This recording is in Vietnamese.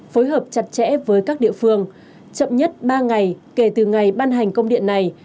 phối hợp chặt chẽ với các địa phương chậm nhất ba ngày kể từ ngày ban hành công điện này